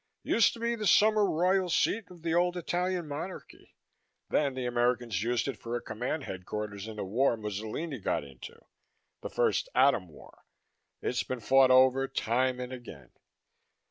Used to be the summer royal seat of the old Italian monarchy; then the Americans used it for a command headquarters in the war Mussolini got into the first atom war. It's been fought over time and again."